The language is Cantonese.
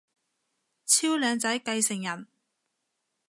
超靚仔繼承人